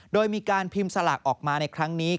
โดยมีการพิมพ์สลากออกมาในครั้งนี้